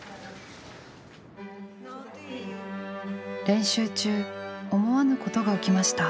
練習中思わぬことが起きました。